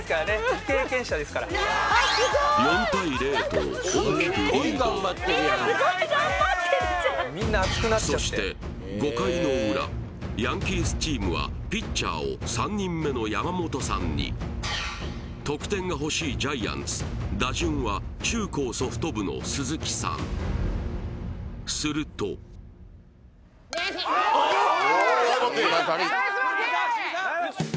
未経験者ですから４対０と大きくリードそして５回の裏ヤンキースチームはピッチャーを３人目の山本さんに得点が欲しいジャイアンツ打順は中高ソフト部の鈴木さんすると・ナイスバッティング！